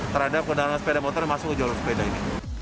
terhadap kendaraan sepeda motor yang masuk ke jalur sepeda ini